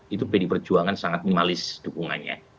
itu pdi perjuangan sangat minimalis dukungannya